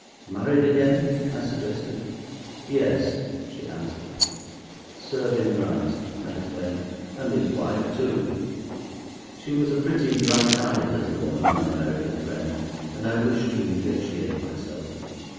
"Married again?" I suggested. "Yes," she answered. "Serve him right," I exclaimed, "and his wife too." She was a pretty, bright eyed little woman, my American friend, and I wished to ingratiate myself.